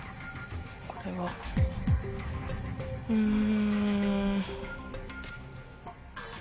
これは。うん。